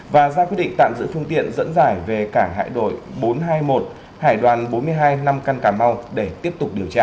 và ra quyết định tạm giữ phương tiện dẫn giải về cảng hải đội bốn trăm hai mươi một hải đoàn bốn mươi hai nam cà mau để tiếp tục điều tra